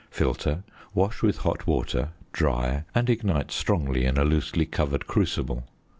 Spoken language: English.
Filter, wash with hot water, dry, and ignite strongly in a loosely covered crucible.